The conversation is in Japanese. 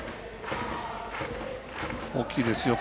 大きいですよ。